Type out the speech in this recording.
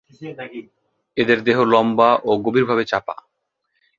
এদের দেহ লম্বা ও গভীরভাবে চাপা।